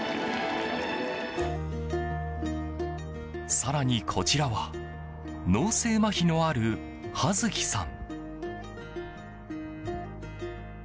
更にこちらは、脳性まひのあるはづきさん。